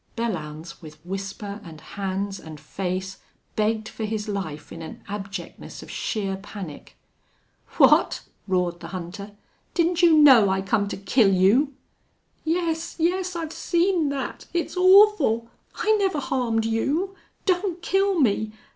Belllounds, with whisper, and hands, and face, begged for his life in an abjectness of sheer panic. "What!" roared the hunter. "Didn't you know I come to kill you?" "Yes yes! I've seen that. It's awful!... I never harmed you.... Don't kill me!